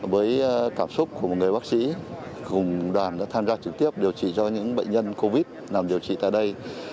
với cảm xúc của một người bác sĩ cùng đoàn đã tham gia trực tiếp điều trị cho những bệnh nhân covid nằm điều trị tại đây